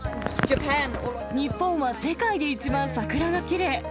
日本は世界で一番、桜がきれい。